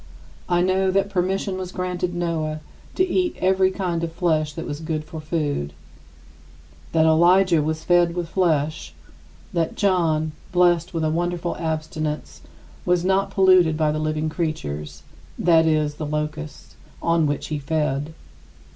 I know that permission was granted Noah to eat every kind of flesh that was good for food; that Elijah was fed with flesh; that John, blessed with a wonderful abstinence, was not polluted by the living creatures (that is, the locusts) on which he fed.